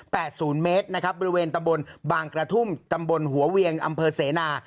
เป็นบริเวณตำบนบางกระทุ่มตำบนหัวเวียงอำเฟอร์เสนา